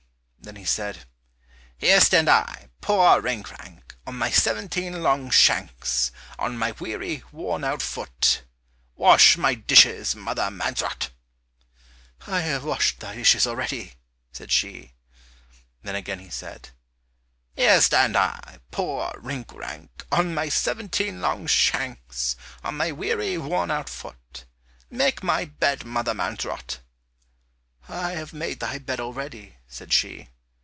Then he said, "Here stand I, poor Rinkrank, On my seventeen long shanks, On my weary, worn out foot, Wash my dishes, Mother Mansrot." "I have washed thy dishes already," said she. Then again he said, "Here stand I, poor Rinkrank, On my seventeen long shanks, On my weary, worn out foot, Make me my bed, Mother Mansrot." "I have made thy bed already," said she.